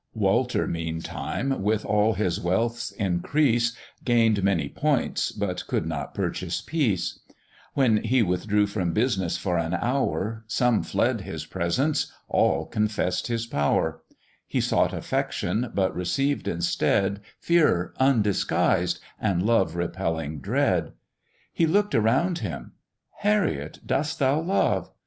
Walter, meantime, with all his wealth's increase, Gain'd many points, but could not purchase peace; When he withdrew from business for an hour, Some fled his presence, all confess'd his power; He sought affection, but received instead Fear undisguised, and love repelling dread; He look'd around him "Harriet, dost thou love?"